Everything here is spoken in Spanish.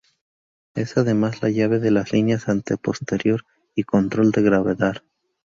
Es, además, la llave de las líneas antero-posterior y control de gravedad.